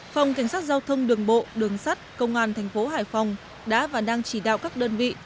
phòng cảnh sát giao thông đường bộ đường sắt công an thành phố hải phòng đã và đang chỉ đạo các đơn vị